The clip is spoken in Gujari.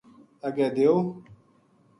اگے دیو